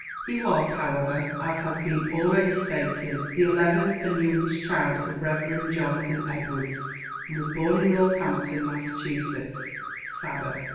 He was, however, as has been already stated, the eleventh and youngest child of Rev. Jonathan Edwards, and was born in Northampton, Massachusetts, Sabbath.